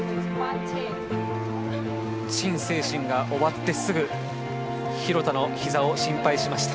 陳清晨が終わってすぐ廣田のひざを心配しました。